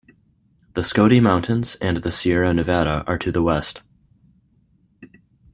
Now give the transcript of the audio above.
The Scodie Mountains and the Sierra Nevada are to the west.